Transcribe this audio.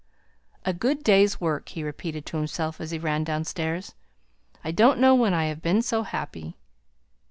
"A good day's work!" he repeated to himself as he ran downstairs. "I don't know when I have been so happy!"